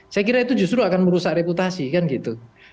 saya kira itu justru akan merusak reputasi kan gitu